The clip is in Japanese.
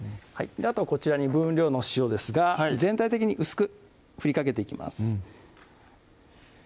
あとはこちらに分量の塩ですが全体的に薄く振りかけていきます